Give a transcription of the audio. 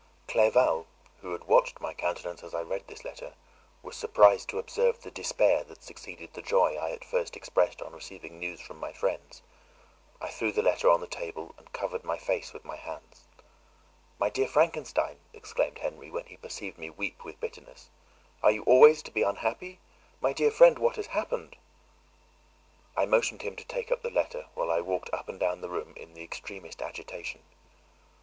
Clerval, who had watched my countenance as I read this letter, was surprised to observe the despair that succeeded the joy I at first expressed on receiving new from my friends. I threw the letter on the table, and covered my face with my hands. "My dear Frankenstein," exclaimed Henry, when he perceived me weep with bitterness, "are you always to be unhappy? My dear friend, what has happened?" I motioned him to take up the letter, while I walked up and down the room in the extremest agitation.